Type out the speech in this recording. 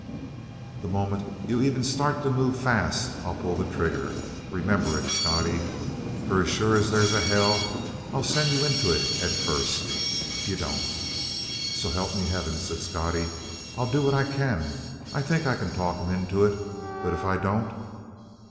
"The moment you even start to move fast, I pull the trigger. Remember it, Scottie. For as sure as there's a hell, I'll send you into it head first, if you don't." "So help me heaven," said Scottie, "I'll do what I can. I think I can talk 'em into it. But if I don't?"